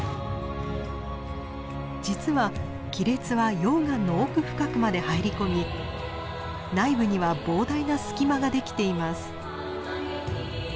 実は亀裂は溶岩の奥深くまで入り込み内部には膨大な隙間ができています。